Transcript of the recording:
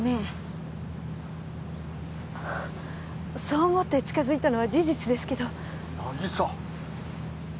そう思って近づいたのは事実ですけど。